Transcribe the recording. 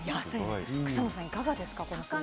草野さん、いかがですか？